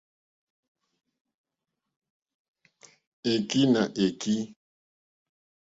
Èkí nà èkí.